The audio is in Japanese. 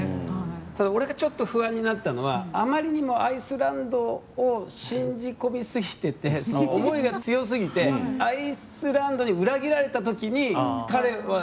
ただ俺がちょっと不安になったのはあまりにもアイスランドを信じ込みすぎてて思いが強すぎてアイスランドに裏切られたときに彼は大丈夫かなっていう。